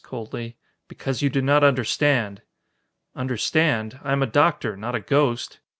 coldly, "because you do not understand!" "Understand? I am a doctor not a ghost!"